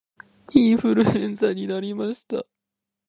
インフルエンザになりました